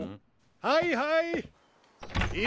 はいはい。